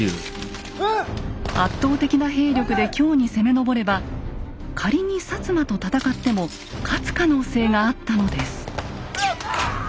圧倒的な兵力で京に攻め上れば仮に摩と戦っても勝つ可能性があったのです。